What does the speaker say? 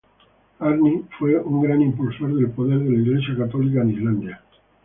Árni fue un gran impulsor del poder de la Iglesia católica en Islandia.